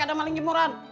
ada maling jemuran